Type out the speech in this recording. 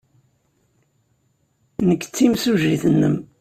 Nekk d timsujjit-nnem.